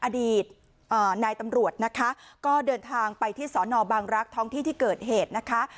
อดีตนายตำรวจนะคะก็เดินทางไปที่สอนอบางรักษ์ท้องที่ที่เกิดเหตุนะคะ